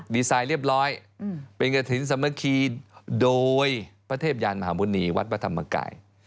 ดีไซน์เรียบร้อยเป็นกระถิ่นสามัคคีโดยพระเทพยานมหาหมุณีวัดพระธรรมกาย